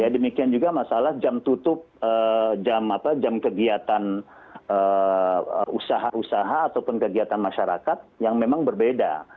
demikian juga masalah jam tutup jam kegiatan usaha usaha ataupun kegiatan masyarakat yang memang berbeda